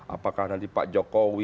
apakah nanti pak jokowi